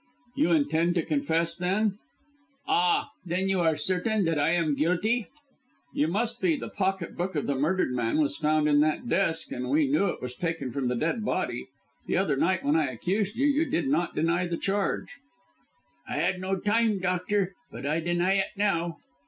"You intend to confess, then?" "Ah, then you are certain that I am guilty?" "You must be. The pocket book of the murdered man was found in that desk, and we know it was taken from the dead body. The other night when I accused you, you did not deny the charge." "I had no time, doctor; but I deny it now."